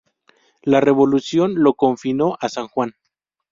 La revolución lo confinó a San Juan.